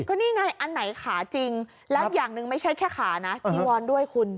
ก็นี่ไงอันไหนขาจริงแล้วอย่างหนึ่งไม่ใช่แค่ขานะจีวอนด้วยคุณ